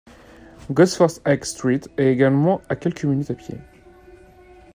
Gosforth High Street est également à quelques minutes à pied.